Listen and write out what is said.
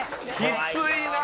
きついなあ。